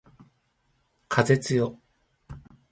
風つよ